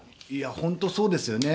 本当にそうですよね。